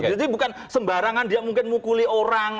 jadi bukan sembarangan dia mungkin mukuli orang